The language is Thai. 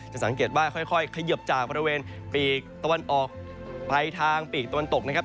สังเกตว่าค่อยเขยิบจากบริเวณปีกตะวันออกไปทางปีกตะวันตกนะครับ